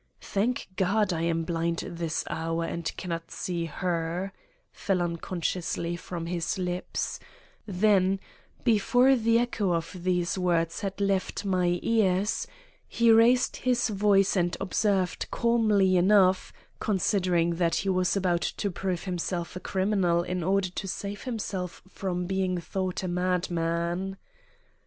"Thank God I am blind this hour and cannot see her," fell unconsciously from his lips; then, before the echo of these words had left my ears, he raised his voice and observed calmly enough, considering that he was about to prove himself a criminal in order to save himself from being thought a madman.